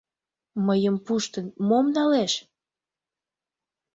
Мыйым пуштын, мом налеш?